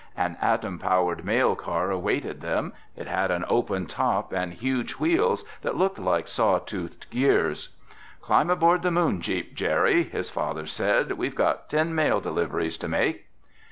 An atom powered mail car awaited them. It had an open top and huge wheels that looked like saw toothed gears. "Climb aboard the Moon jeep, Jerry," his father said. "We've got ten mail deliveries to make."